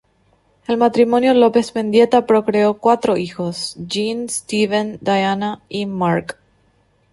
El matrimonio López Mendieta procreó cuatro hijos: Jean, Steven, Diana y Mark.